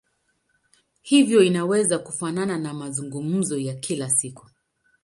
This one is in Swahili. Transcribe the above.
Hivyo inaweza kufanana na mazungumzo ya kila siku.